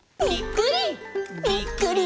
「ぴっくり！